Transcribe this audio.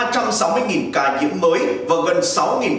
ca nhiễm mới và gần sáu